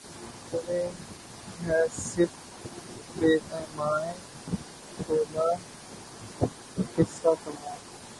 کرے ہے صِرف بہ ایمائے شعلہ قصہ تمام